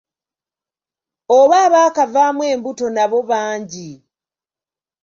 Oba abaakavaamu embuto nabo bangi.